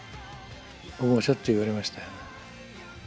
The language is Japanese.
僕もしょっちゅう言われましたよね。